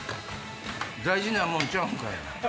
大事なもんちゃうんかい？